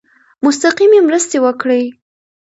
مستقیمي مرستي وکړي.